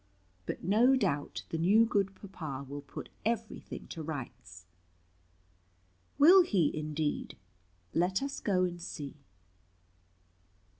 But no doubt the new good papa will put every thing to rights." "Will he indeed? Let us go and see."